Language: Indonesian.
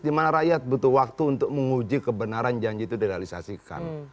di mana rakyat butuh waktu untuk menguji kebenaran janji itu direalisasikan